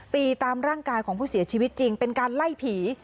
ตามร่างกายของผู้เสียชีวิตจริงเป็นการไล่ผี